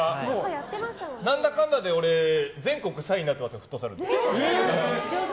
なんだかんだで俺、全国３位になってますよフットサル。